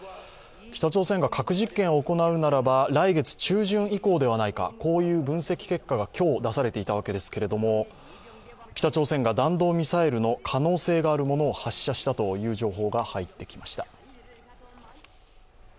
北朝鮮が核実験を行うならば来月中旬以降ではないか、こういう分析結果が今日、出されていたわけですけど、北朝鮮が弾道ミサイルの可能性があるものを発射したという情報が入ってきました。